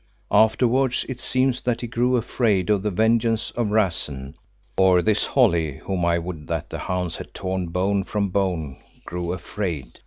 Afterwards it seems that he grew afraid of the vengeance of Rassen, or this Holly, whom I would that the hounds had torn bone from bone, grew afraid.